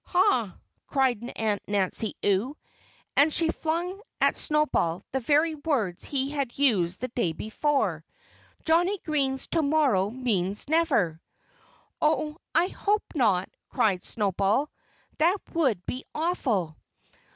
"Ha!" cried Aunt Nancy Ewe. And she flung at Snowball the very words he had used the day before. "Johnnie Green's 'to morrow' means 'never!'" "Oh! I hope not!" cried Snowball. "That would be awful!"